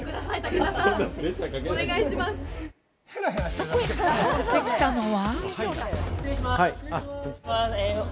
そこへやってきたのは。